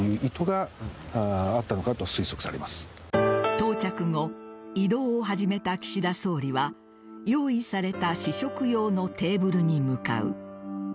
到着後移動を始めた岸田総理は用意された試食用のテーブルに向かう。